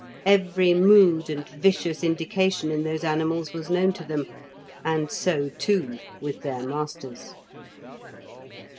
Every mood and vicious indication in those animals was known to them, and so, too, with their masters.